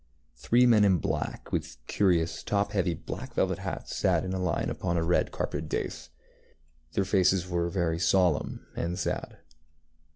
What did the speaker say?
Three men in black, with curious top heavy black velvet hats, sat in a line upon a red carpeted dais. Their faces were very solemn and sad.